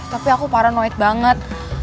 tapi aku paranoid banget